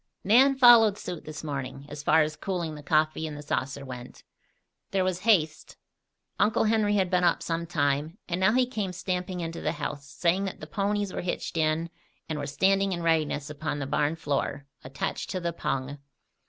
Nan followed suit this morning, as far as cooling the coffee in the saucer went. There was haste. Uncle Henry had been up some time, and now he came stamping into the house, saying that the ponies were hitched in and were standing in readiness upon the barn floor, attached to the pung.